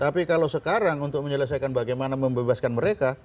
tapi kalau sekarang untuk menyelesaikan bagaimana membebaskan mereka